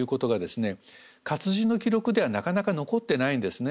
活字の記録ではなかなか残ってないんですね。